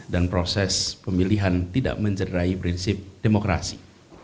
dan proses pemilihan tidak menjerai prinsip demokrasi